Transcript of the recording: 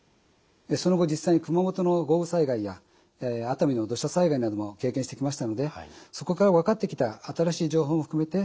その後実際に熊本の豪雨災害や熱海の土砂災害なども経験してきましたのでそこから分かってきた新しい情報も含めてご紹介したいと思います。